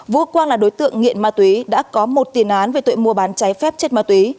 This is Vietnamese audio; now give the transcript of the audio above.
vũ quang là đối tượng nghiện ma túy đã có một tiền án về tội mua bán trái phép chất ma túy